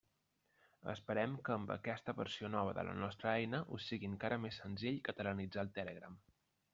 Esperem que amb aquesta versió nova de la nostra eina us sigui encara més senzill catalanitzar el Telegram.